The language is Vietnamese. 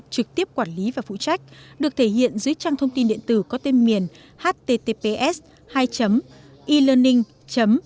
trực tiếp quản lý và phụ trách được thể hiện dưới trang thông tin điện tử có tên là bộ giáo dục và đào tạo